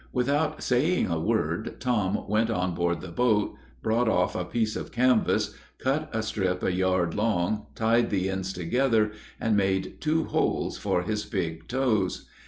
Without saying a word, Tom went on board the boat, brought off a piece of canvas, cut a strip a yard long, tied the ends together, and made two holes for his big toes.